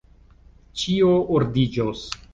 Ĉio ordiĝos!